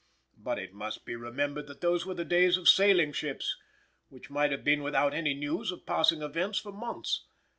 But it must be remembered that those were the days of sailing ships, which might have been without any news of passing events for months.